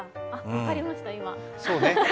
分かりました、今。